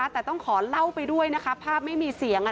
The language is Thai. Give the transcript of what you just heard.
แต่ต้องขอเล่าไปด้วยนะคะภาพไม่มีเสียง